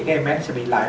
cái em bé nó sẽ bị lại